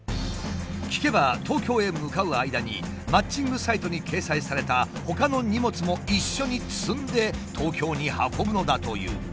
聞けば東京へ向かう間にマッチングサイトに掲載されたほかの荷物も一緒に積んで東京に運ぶのだという。